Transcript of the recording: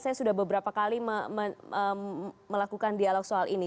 saya sudah beberapa kali melakukan dialog soal ini